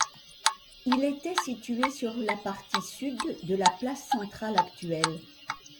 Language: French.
Il était situé sur la partie sud de la place centrale actuelle.